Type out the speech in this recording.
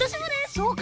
そうか。